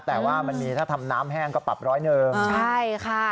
แต่ว่ามันมีถ้าทำน้ำแห้งก็ปรับร้อยหนึ่งใช่ค่ะ